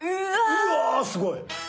うわすごい！